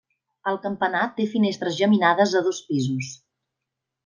El campanar té finestres geminades a dos pisos.